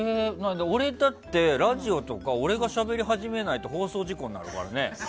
俺、だってラジオとか俺がしゃべり始めないと放送事故になるからね。